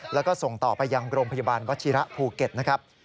แล้วก็ส่งต่อไปยังโรงพยาบาลวัชิระภูเก็ตนะครับ